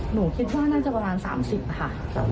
หนูคิดว่าน่าจะประมาณ๓๐ค่ะ